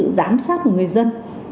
kiểm tra giám sát của người dân